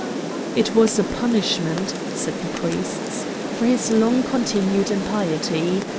It was a punishment, said the priests, for his long continued impiety.